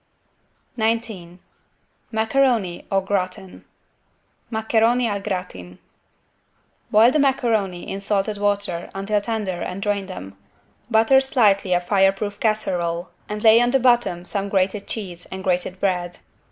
19 MACARONI "AU GRATIN" (Maccheroni al gratin) Boil the macaroni in salted water until tender and drain them. Butter slightly a fireproof casserole and lay on the bottom some grated cheese and grated bread.